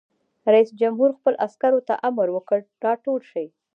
رئیس جمهور خپلو عسکرو ته امر وکړ؛ راټول شئ!